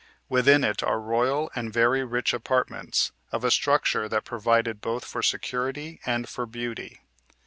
Within it are royal and very rich apartments, of a structure that provided both for security and for beauty.